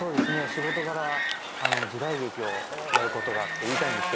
仕事柄時代劇をやることがって言いたいんですけど